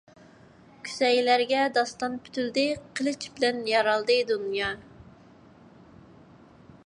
كۈسەيلەرگە داستان پۈتۈلدى، قىلىچ بىلەن يارالدى دۇنيا.